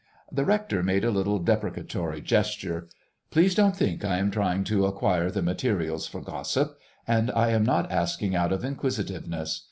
The rector made a little deprecatory gesture. "Please don't think I am trying to acquire the materials for gossip; and I am not asking out of inquisitiveness.